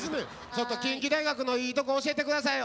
ちょっと近畿大学のいいとこ教えて下さい。